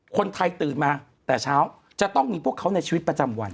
คนไทยตื่นมาแต่เช้าจะต้องมีพวกเขาในชีวิตประจำวัน